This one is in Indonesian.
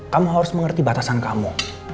kamu harus mengerti batasan kamu